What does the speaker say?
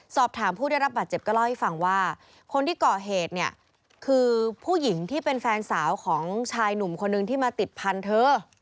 สอบถามผู้ได้รับบาดเจ็บก็เล่าให้ฟังว่าคนที่ก่อเหตุเนี่ยคือผู้หญิงที่เป็นแฟนสาวของชายหนุ่มคนนึงที่มาติดพันธุ์เธอ